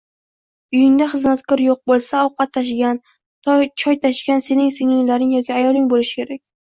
Uyingda xizmatkor yoʻq boʻlsa ovqat tashigan, choy tashigan seni singillaring yoki ayoling boʻlishi kerak.